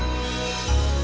ibu yang menjaga saya